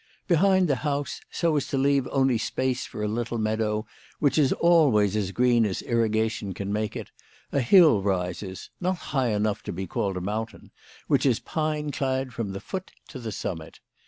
Behind the house, so as to leave only space for a little meadow which is always as green as irrigation can make it, a hill rises, not high enough to be called a mountain, which is pine clad from the foot to the summit.